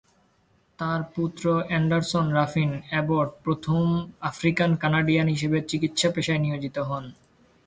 তাঁর পুত্র এন্ডারসন রাফিন অ্যাবট প্রথম আফ্রিকান কানাডিয়ান হিসেবে চিকিৎসা পেশায় নিয়োজিত হন।